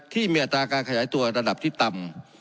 อัตราการขยายตัวระดับที่ต่ำ